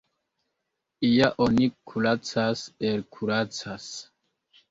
Ja oni kuracas, elkuracas.